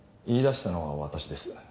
言い出したのは私です。